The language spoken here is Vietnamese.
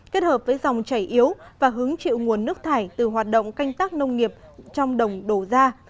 kết hợp với dòng chảy yếu và hứng chịu nguồn nước thải từ hoạt động canh tác nông nghiệp trong đồng đổ ra